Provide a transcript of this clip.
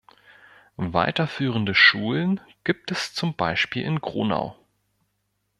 Weiterführende Schulen gibt es zum Beispiel in Gronau.